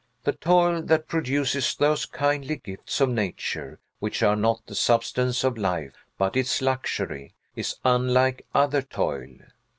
The toil that produces those kindly gifts of nature which are not the substance of life, but its luxury, is unlike other toil.